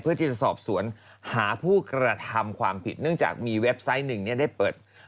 เพื่อที่จะสอบสวนหาผู้กระทำความผิดเนื่องจากมีเว็บไซต์หนึ่งได้เปิด